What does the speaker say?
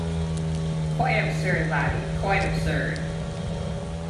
Quite absurd, laddie — quite absurd.